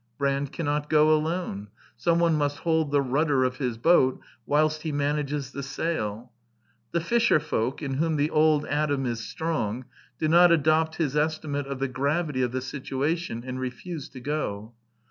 Brand cannot go alone: someone must hold the rudder of his boat whilst he manages the sail. The fisher folk, in whom the old Adam is strong, do not adopt his estimate of the gravity of the situation, and refuse to go.